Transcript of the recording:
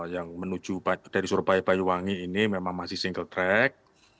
yang menuju dari surabaya banyuwangi ini memang masih single track